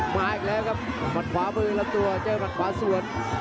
มาอีกแล้วครับมัดขวาบริเวณลับตัวเจอมัดขวาสวด